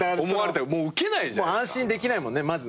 安心できないもんねまず。